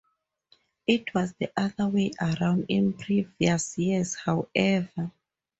It was the other way around in previous years however.